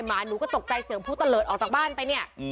หมาหนูก็ตกใจเสียงผู้ตะเลิศออกจากบ้านไปเนี่ย